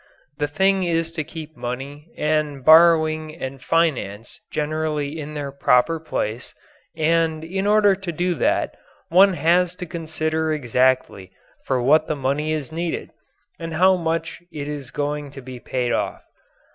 The thing is to keep money and borrowing and finance generally in their proper place, and in order to do that one has to consider exactly for what the money is needed and how it is going to be paid off.